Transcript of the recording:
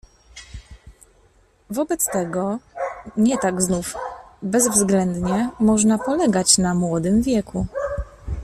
"Wobec tego nie tak znów bezwzględnie można polegać na młodym wieku."